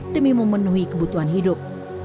demi memenuhi kebutuhan hidup